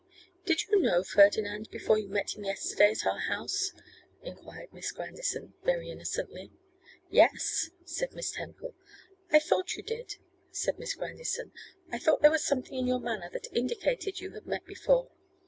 'Did you know Ferdinand before you met him yesterday at our house?' enquired Miss Grandison, very innocently. 'Yes!' said Miss Temple. 'I thought you did,' said Miss Grandison, 'I thought there was something in your manner that indicated you had met before.